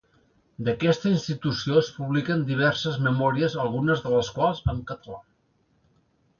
D'aquesta institució es publiquen diverses memòries algunes de les quals en català.